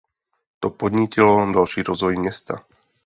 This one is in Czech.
To podnítilo další rozvoj města.